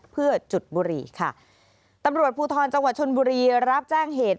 เพื่อจุดบุรีค่ะตำรวจภูทรจังหวัดชนบุรีรับแจ้งเหตุ